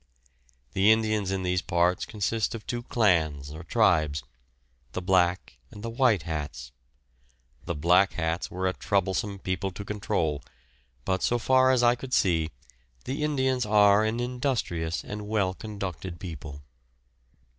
The Indians in these parts consist of two clans or tribes, the "Black" and the "White Hats"; the "Black Hats" were a troublesome people to control, but so far as I could see, the Indians are an industrious and well conducted people.